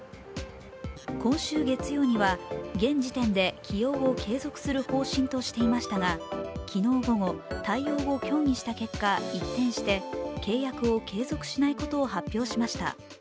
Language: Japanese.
今週月曜には、現時点で起用を継続する方針としていましたが、昨日午後、対応を協議した結果、一転して契約を継続しないことを発表しました。